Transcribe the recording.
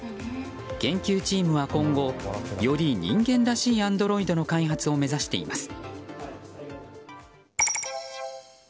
研究チームは今後より人間らしいアンドロイドの開発を目指しています。